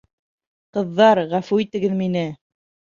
Ҡыҙҙар, ғәфү итегеҙ мине!